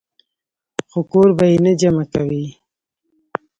خو کور به ئې نۀ جمع کوئ -